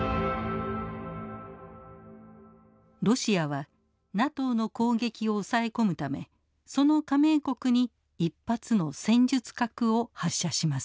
ロシアはＮＡＴＯの攻撃を抑え込むためその加盟国に１発の戦術核を発射します。